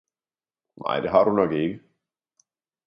Nej det har du nok ikke!